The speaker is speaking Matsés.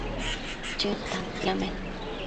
Chëd tantiame